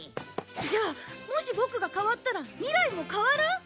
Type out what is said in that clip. じゃあもしボクが変わったら未来も変わる？